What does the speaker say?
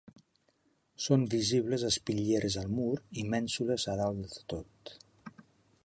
Són visibles espitlleres al mur i mènsules a dalt de tot.